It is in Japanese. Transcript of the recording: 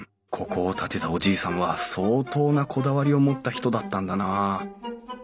ここを建てたおじいさんは相当なこだわりを持った人だったんだなあ。